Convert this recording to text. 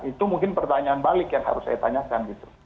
itu mungkin pertanyaan balik yang harus saya tanyakan gitu